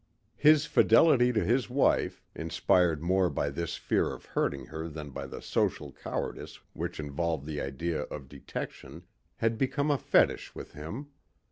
His fidelity to his wife, inspired more by this fear of hurting her than by the social cowardice which involved the idea of detection, had become a fetish with him.